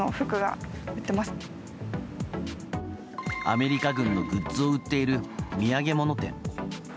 アメリカ軍のグッズを売っている、土産物店。